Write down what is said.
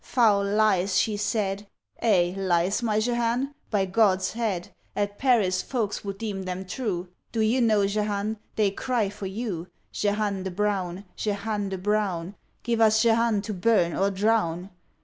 Foul lies, she said. Eh? lies, my Jehane? by God's head, At Paris folks would deem them true! Do you know, Jehane, they cry for you: Jehane the brown! Jehane the brown! Give us Jehane to burn or drown!